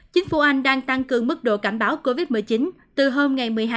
chính phủ anh đang tăng cường mức độ cảnh báo covid một mươi chín từ hôm một mươi hai một mươi hai